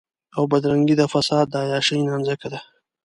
او بدرنګي د فساد د عياشۍ نانځکه ده.